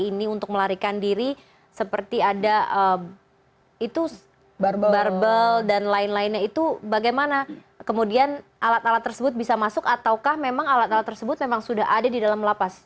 ini untuk melarikan diri seperti ada itu barbel dan lain lainnya itu bagaimana kemudian alat alat tersebut bisa masuk ataukah memang alat alat tersebut memang sudah ada di dalam lapas